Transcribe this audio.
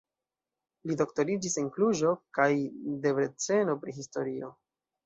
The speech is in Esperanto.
Li doktoriĝis en Kluĵo kaj Debreceno pri historio.